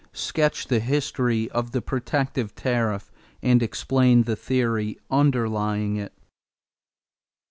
Sketch the history of the protective tariff and explain the theory underlying it.